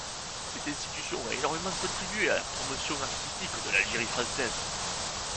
Cette institution a énormément contribué à la promotion artistique de l'Algérie française.